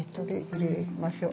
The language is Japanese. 入れましょう。